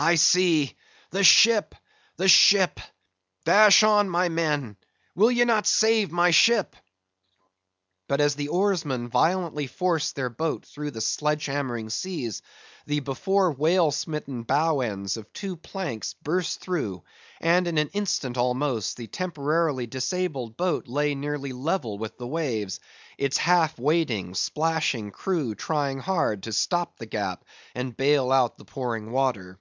I see: the ship! the ship! Dash on, my men! Will ye not save my ship?" But as the oarsmen violently forced their boat through the sledge hammering seas, the before whale smitten bow ends of two planks burst through, and in an instant almost, the temporarily disabled boat lay nearly level with the waves; its half wading, splashing crew, trying hard to stop the gap and bale out the pouring water.